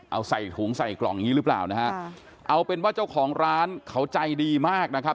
เอาใส่ถุงใส่กล่องอย่างงี้หรือเปล่านะฮะเอาเป็นว่าเจ้าของร้านเขาใจดีมากนะครับ